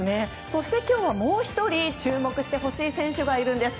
そして今日はもう１人注目してほしい選手がいるんです。